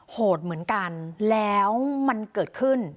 โหดเหมือนกันแล้วมันเกิดขึ้น